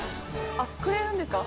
くれるんですか？